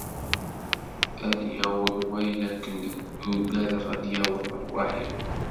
ad d-yaweḍ wayen akken i uggadeɣ, ad d-yaweḍ rwaḥ-im.